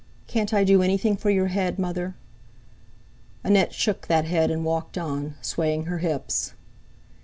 "Can't I do anything for your head, Mother?" Annette shook that head and walked on, swaying her hips.